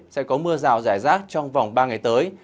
sẽ có mưa rào rải rác trong vòng ba ngày tới